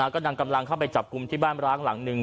กำลังเข้าไปจับกุมที่บ้านร้างหลังนึง